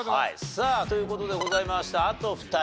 さあという事でございましてあと２人。